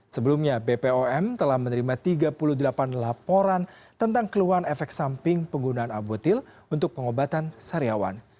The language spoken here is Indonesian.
sebelumnya bpom telah menerima tiga puluh delapan laporan tentang keluhan efek samping penggunaan albotil untuk pengobatan sariawan